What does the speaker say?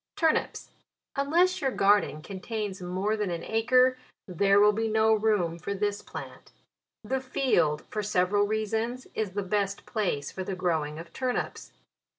TURNIPS. Unless your garden contains more than an acre, there will be no room for this plant. The field, for several reasons, is the best place for the growing of turnips.